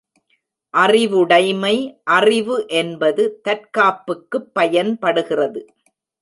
அறிவுடைமை அறிவு என்பது தற்காப்புக்குப் பயன்படுகிறது.